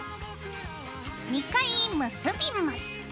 ２回結びます。